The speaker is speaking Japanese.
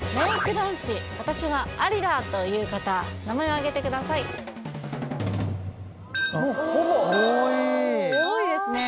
男子私はアリだという方名前をあげてくださいあっ多い多いですね